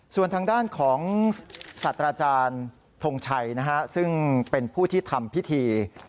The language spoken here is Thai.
ส่วนทางด้านของสัตว์อาจารย์ทงชัยซึ่งเป็นผู้ที่ทำพิธี